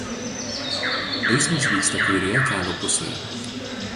Eismas vyksta kairėje kelio pusėje.